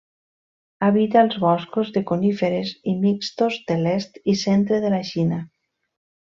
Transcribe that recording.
Habita els boscos de coníferes i mixtos de l'est i centre de la Xina.